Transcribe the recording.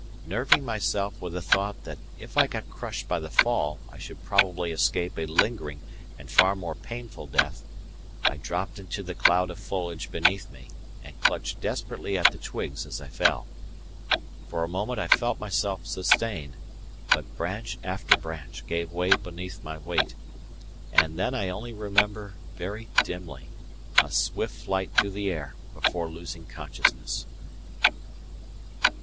Nerving myself with the thought that if I got crushed by the fall I should probably escape a lingering and far more painful death, I dropped into the cloud of foliage beneath me and clutched desperately at the twigs as I fell. For a moment I felt myself sustained; but branch after branch gave way beneath my weight, and then I only remember, very dimly, a swift flight through the air before losing consciousness.